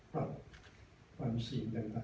ปรับความสินบางปณะ